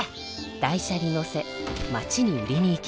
台車にのせ町に売りにいきます。